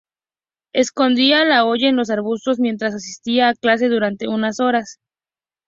Escondía la olla en los arbustos mientras asistía a clase durante unas horas.